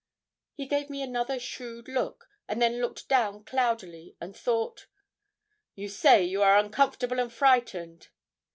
He gave me another shrewd look, and then looked down cloudily and thought. 'You say you are uncomfortable and frightened.